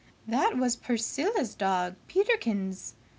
"That was Priscilla's dog, Peterkins!"